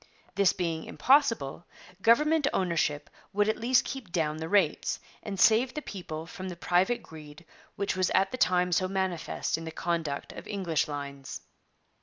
This being impossible, government ownership would at least keep down the rates, and save the people from the private greed which was at the time so manifest in the conduct of English lines.